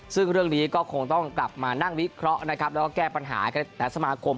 ซึ่งเรื่องนี้ก็คงต้องกลับมานั่งวิเคราะห์นะครับแล้วก็แก้ปัญหากับสมาคม